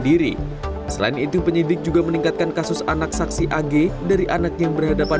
diri selain itu penyidik juga meningkatkan kasus anak saksi ag dari anak yang berhadapan